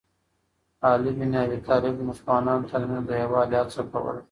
علي بن ابي طالب د مسلمانانو ترمنځ د یووالي هڅه کوله.